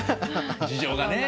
事情がね。